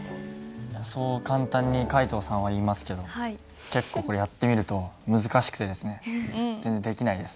そう簡単に皆藤さんは言いますけど結構これやってみると難しくてですね全然できないです。